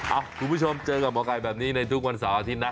คุณผู้ชมเจอกับหมอไก่แบบนี้ในทุกวันเสาร์อาทิตยนะ